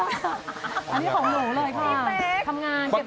อันนี้ของหนูเลยค่ะที่ทำงานเก็บสะสมมาพี่เป้ิ้ลค่ะ